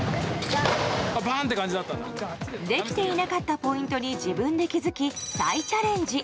できていなかったポイントに自分で気づき、再チャレンジ。